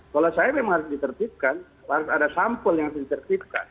kalau saya memang harus ditertibkan harus ada sampel yang harus ditertibkan